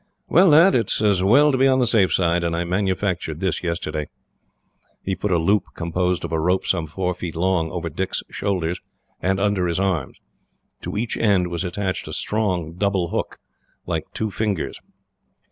"Well, lad, it is as well to be on the safe side, and I manufactured this yesterday." He put a loop, composed of a rope some four feet long, over Dick's shoulders and under his arms. To each end was attached a strong double hook, like two fingers.